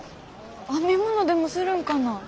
編み物でもするんかな？